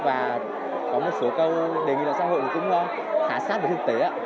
và có một số câu đề nghị là xã hội cũng khá sát và thực tế